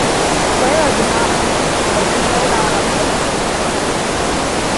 Clara did not answer, but strode on uphill.